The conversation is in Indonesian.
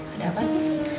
ada apa sus